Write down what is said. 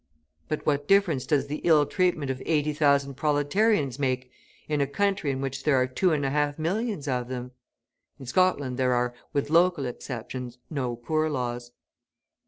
But what difference does the ill treatment of eighty thousand proletarians make in a country in which there are two and a half millions of them? In Scotland there are, with local exceptions, no Poor Laws.